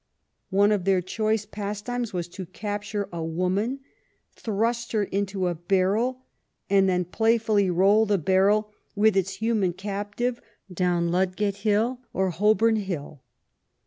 One of their choice pastimes was to capture a woman, thrust her into a barrel, and then playfully roll the barrel with its human captive down Ludgate Hill or Holborn Hill.